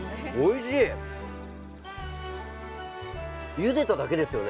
ゆでただけですよね。